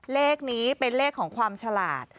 เลขนี้เป็นเลขของความฉลาด